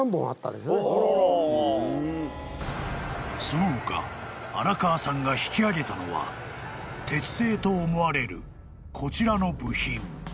［その他荒川さんが引きあげたのは鉄製と思われるこちらの部品］